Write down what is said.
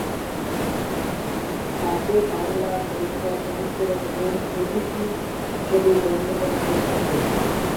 তাকে বাংলা গোয়েন্দা সাহিত্যের একজন পথিকৃৎ হিসেবে গণ্য করা হয়ে থাকে।